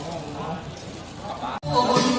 สวัสดีทุกคน